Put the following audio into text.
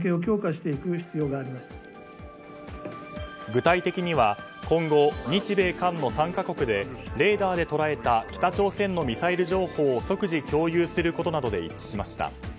具体的には今後、日米韓の３か国でレーダーで捉えた北朝鮮のミサイル情報を即時共有することなどで一致しました。